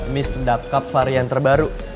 miss dapkap varian terbaru